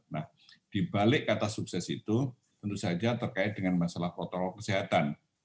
nah dibalik kata sukses itu tentu saja terkait dengan masalah protokol kesehatan